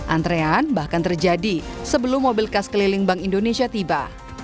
antrean bahkan terjadi sebelum mobil khas keliling bank indonesia tiba